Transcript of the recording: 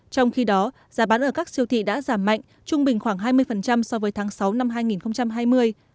trong khi đó giá bán ở các siêu thị đã giảm mạnh trung bình khoảng hai mươi so với tháng sáu năm hai nghìn hai mươi